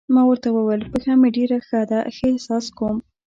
ما ورته وویل: پښه مې ډېره ښه ده، ښه احساس کوم.